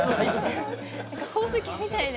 宝石みたいで。